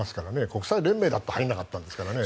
国際連盟だって入らなかったんですからね。